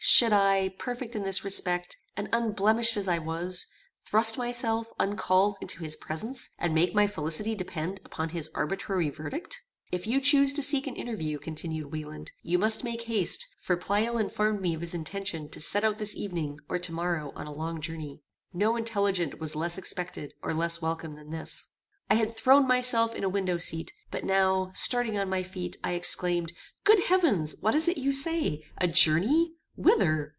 Should I, perfect in this respect, and unblemished as I was, thrust myself, uncalled, into his presence, and make my felicity depend upon his arbitrary verdict? "If you chuse to seek an interview," continued Wieland, "you must make haste, for Pleyel informed me of his intention to set out this evening or to morrow on a long journey." No intelligence was less expected or less welcome than this. I had thrown myself in a window seat; but now, starting on my feet, I exclaimed, "Good heavens! what is it you say? a journey? whither?